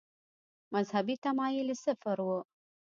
مذهبي تمایل یې صفر و.